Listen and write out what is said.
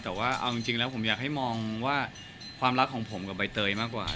แต่ว่าเอาจริงแล้วผมอยากให้มองว่าความรักของผมกับใบเตยมากกว่า